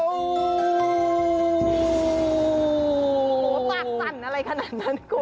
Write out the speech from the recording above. โอ้โหปากสั่นอะไรขนาดนั้นคุณ